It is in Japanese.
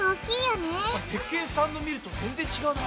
鉄拳さんの見ると全然違うな。